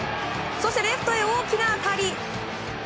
そしてレフトへ大きな当たり！